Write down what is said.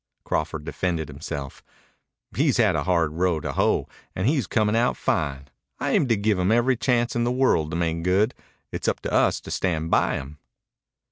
Crawford defended himself. "He's had a hard row to hoe, and he's comin' out fine. I aim to give him every chance in the world to make good. It's up to us to stand by him."